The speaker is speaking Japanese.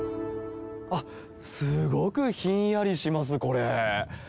あっ、すごくひんやりします、これ。